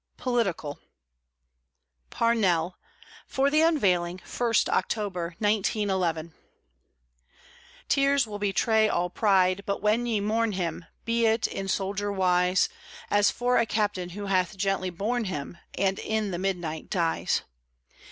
POLITICAL PARNELL (For the unveiling, 1st October, 1911) Tears will betray all pride, but when ye mourn him, Be it in soldier wise; As for a captain who hath gently borne him, And in the midnight dies.